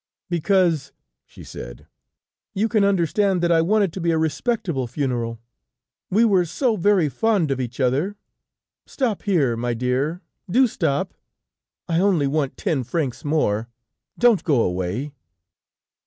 "Because," she said, "you can understand that I want it to be a respectable funeral, we were so very fond of each other! Stop here, my dear, do stop. I only want ten francs more. Don't go away."